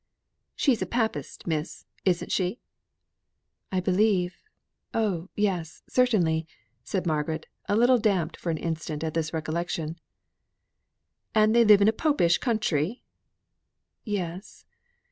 "She's a Papist, Miss, isn't she?" "I believe oh yes, certainly!" said Margaret, a little damped for an instant at this recollection. "And they live in a Popish country?" "Yes."